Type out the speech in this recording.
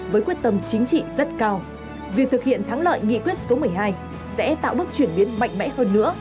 với quyết tâm chính trị rất cao việc thực hiện thắng lợi nghị quyết số một mươi hai sẽ tạo bước chuyển biến mạnh mẽ hơn nữa